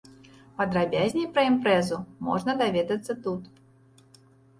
Падрабязней пра імпрэзу можна даведацца тут.